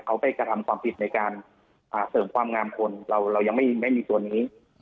เขาไปกระทำความผิดในการอ่าเสริมความงามคนเราเรายังไม่ไม่มีส่วนนี้อ่า